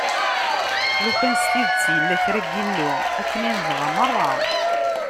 Lukan s tidet yella kra n yillu, akken i nebɣa merra.